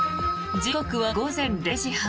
時刻は午前０時半。